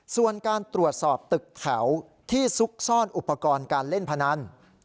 ส่วนการตรวจสอบตึกแถวที่ซุกซ่อนอุปกรณ์การเล่นพนัน